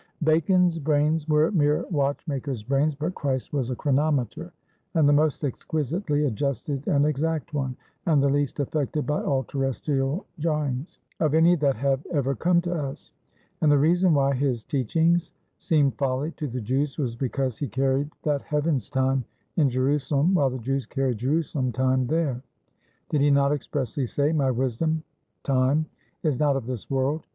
"Bacon's brains were mere watch maker's brains; but Christ was a chronometer; and the most exquisitely adjusted and exact one, and the least affected by all terrestrial jarrings, of any that have ever come to us. And the reason why his teachings seemed folly to the Jews, was because he carried that Heaven's time in Jerusalem, while the Jews carried Jerusalem time there. Did he not expressly say My wisdom (time) is not of this world?